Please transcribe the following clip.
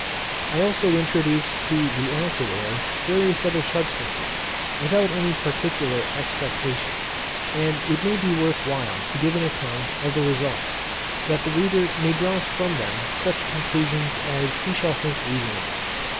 I also introduced to the acid air various other substances, without any particular expectation; and it may be worth while to give an account of the results, that the reader may draw from them such conclusions as he shall think reasonable.